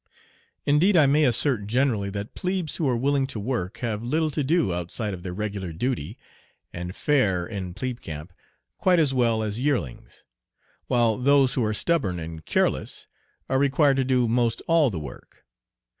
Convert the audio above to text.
Indeed I may assert generally that plebes who are willing to work have little to do outside of their regular duty, and fare in plebe camp quite as well as yearlings; while those who are stubborn and careless are required to do most all the work.